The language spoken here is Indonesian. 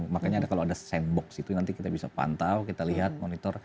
makanya kalau ada sandbox itu nanti kita bisa pantau kita lihat monitor